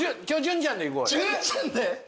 潤ちゃんで！？